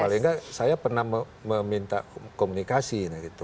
paling nggak saya pernah meminta komunikasi